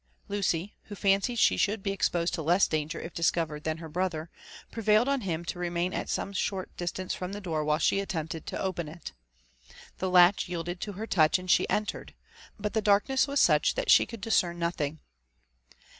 Lucy, who fancied ^e should be exposed to less danger if discovered than her brother, prevailed on him to remain at some short distance from the door while she attempted to open it. The latch yielded to ber touch, and she entered ; but the darkness was sut^ that die could dia cern nothing.